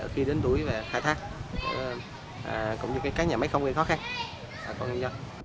khi đến tuổi khai thác cũng như các nhà máy không gây khó khăn